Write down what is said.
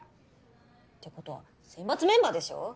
⁉ってことは選抜メンバーでしょ